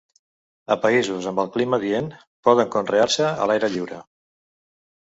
A països amb el clima adient, poden conrear-se a l'aire lliure.